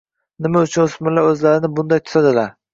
Nima uchun o‘smirlar o‘zlarini bunday tutadilar?